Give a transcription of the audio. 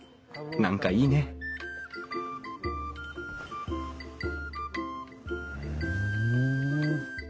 何かいいねふん。